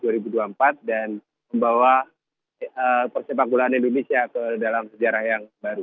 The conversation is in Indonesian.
dan membawa persepak bolaan indonesia ke dalam sejarah yang baru